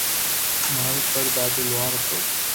مارو پڙ دادو لوھار ھتو